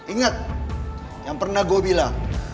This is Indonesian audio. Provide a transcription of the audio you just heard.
ingat yang pernah gue bilang